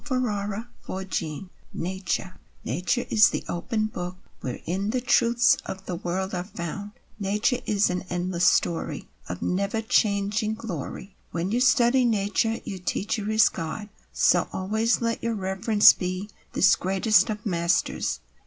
DAY DREAMS NATURE Nature is the open book Wherein the truths of the world are found Nature is an endless story Of never changing glory When you study nature your teacher is God So always let your reference be This Greatest of Masters.